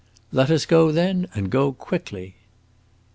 "Let us go, then, and go quickly!"